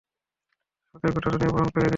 সাথে গোটা দুনিয়া বহন করে এনেছি।